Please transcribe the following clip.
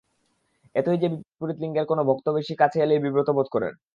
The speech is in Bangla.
এতই যে, বিপরীত লিঙ্গের কোনো ভক্ত বেশি কাছে এলেই বিব্রত বোধ করেন।